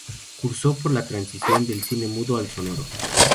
Cursó por la transición del cine mudo al sonoro.